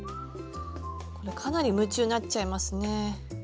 これかなり夢中になっちゃいますね。